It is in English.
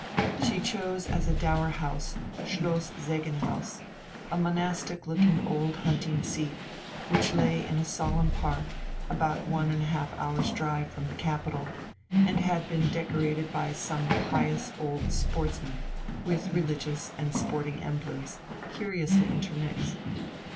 She chose as dower house Schloss Segenhaus, a monastic looking old hunting seat, which lay in a solemn park about one and a half hour's drive from the capital, and had been decorated by some pious old sportsman with religious and sporting emblems curiously intermixed.